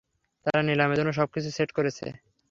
তারা নিলামের জন্য সব কিছু সেট করছে।